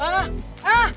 hah hah hah